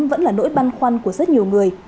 vẫn là nỗi băn khoăn của rất nhiều người